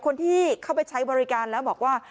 คนที่เข้าไปใช้บริการแล้วบอกว่า